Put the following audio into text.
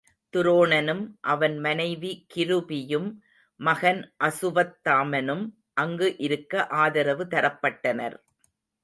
துரோணனும், அவன் மனைவி கிருபியும் மகன் அசு வத்தாமனும் அங்கு இருக்க ஆதரவு தரப்பட்டனர்.